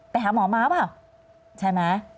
ไปหาหมอมาวะใช่ไหม